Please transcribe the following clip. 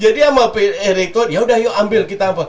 jadi sama elektron ya udah yuk ambil kita